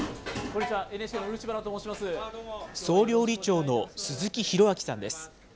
総料理長の鈴木広明さんです。